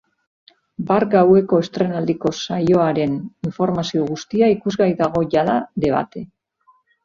Bart gaueko estreinaldiko saioaren informazio guztia ikusgai dago jada debate.